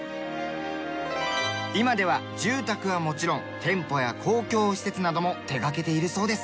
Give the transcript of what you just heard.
今では住宅はもちろん店舗や公共施設なども手掛けているそうです。